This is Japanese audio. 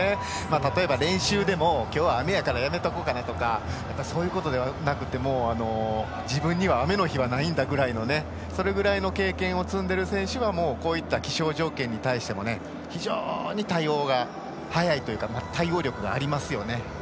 例えば練習でもきょうは雨やからやめておこうかなということとかではなくて自分には雨の日はないんだぐらいのそれぐらいの経験を積んでいる選手はこういった気象条件に対しても非常に対応が早いというか対応力がありますよね。